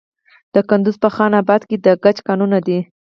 د کندز په خان اباد کې د ګچ کانونه دي.